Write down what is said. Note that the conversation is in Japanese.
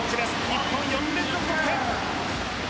日本、４連続得点！